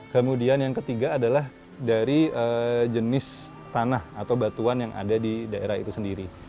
kemudian yang ketiga adalah dari jenis tanah atau batuan yang ada di daerah itu sendiri